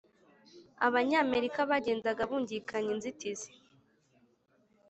abanyamerika bagendaga bungikanya inzitizi.